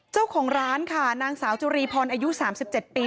เจ้าของร้านค่ะนางสาวจุรีพรอายุ๓๗ปี